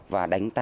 và đánh tan quân